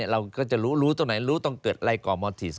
เราก็จะรู้ตรงไหนรู้ต้องเกิดรายก่อมอลติส